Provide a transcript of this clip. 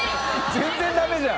全然ダメじゃん。